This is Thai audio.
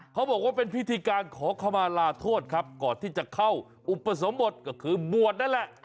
เขาบอกว่าเป็นพิธีการขอขมาลาโทษครับก่อนที่จะเข้าอุปสมบทก็คือบวชนั่นแหละ